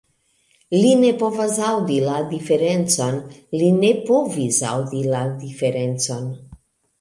Li ne povas aŭdi la diferencon li ne povis aŭdi la diferencon!